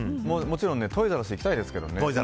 もちろんトイザらス行きたいですけどね。